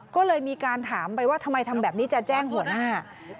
ก็เลยมีการถามไปว่าทำไมทำแบบนี้จะแจ้งหัวหน้า